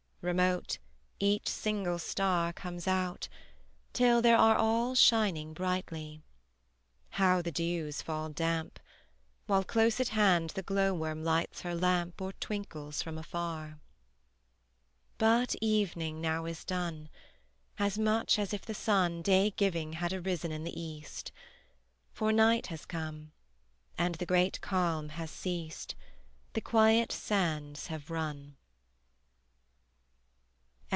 Remote, each single star Comes out, till there they are All shining brightly: how the dews fall damp! While close at hand the glow worm lights her lamp Or twinkles from afar. But evening now is done As much as if the sun Day giving had arisen in the east: For night has come; and the great calm has ceased, The quiet sands have run.